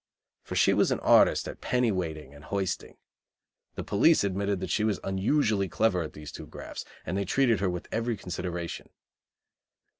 For she was an artist at "penny weighting" and "hoisting." The police admitted that she was unusually clever at these two grafts, and they treated her with every consideration.